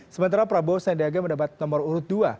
sementara prabowo sandiaga mendapat nomor urut dua